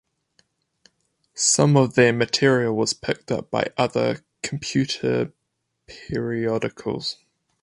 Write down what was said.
Some of their material was picked up by other computer periodicals.